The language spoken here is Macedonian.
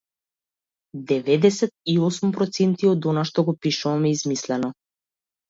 Деведесет и осум проценти од она што го пишувам е измислено.